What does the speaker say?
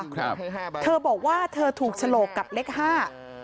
ครับเธอบอกว่าเธอถูกฉลกกับเลขห้า